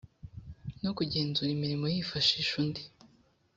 no kugenzura imirimo yifashisha undi